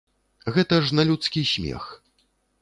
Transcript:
Гэта ж на людскі смех.